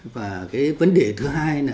và cái vấn đề thứ hai